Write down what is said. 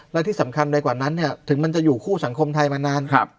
และที่สำคัญไปกว่านั้นเนี่ยถึงมันจะอยู่คู่สังคมไทยมานาน